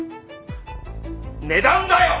値段だよ！